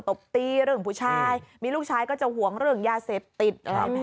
ตบตีเรื่องผู้ชายมีลูกชายก็จะห่วงเรื่องยาเสพติด